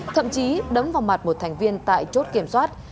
thậm chí đấm vào mặt một thành viên tại chốt kiểm soát